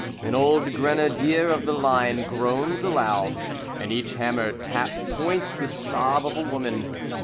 An old Grenadier of the line groans aloud, And each hammer tap points the sob of a woman.